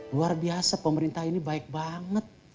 luar biasa pemerintah ini baik banget